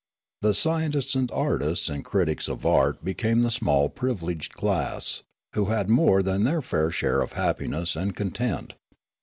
The scientists and artists and critics of art became the small privileged class, who had more than their fair share of happiness and con tent.